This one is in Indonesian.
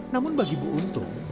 namun bagi bu untung